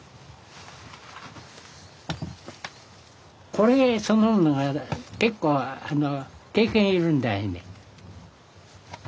これそのものが結構経験要るんだいね。